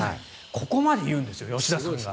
ここまで言うんですよ吉田さんが。